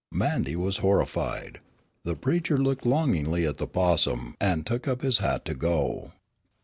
Mandy was horrified. The preacher looked longingly at the possum, and took up his hat to go.